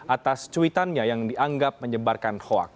atas cuitannya yang dianggap menyebarkan hoaks